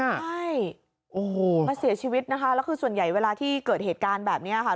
ใช่โอ้โหมาเสียชีวิตนะคะแล้วคือส่วนใหญ่เวลาที่เกิดเหตุการณ์แบบนี้ค่ะ